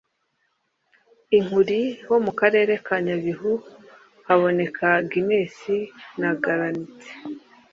i Nkuli ho mu Karere ka Nyabihu haboneka Guiness na Granite